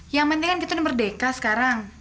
yang penting kan kita merdeka sekarang